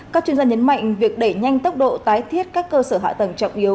các chuyên gia nhấn mạnh việc đẩy nhanh tốc độ tái thiết các cơ sở hạ tầng trọng yếu